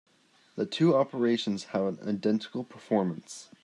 The two operations have an identical performance.